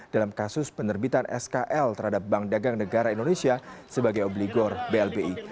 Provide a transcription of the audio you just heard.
dalam kasus penerbitan skl terhadap bank dagang negara indonesia sebagai obligor blbi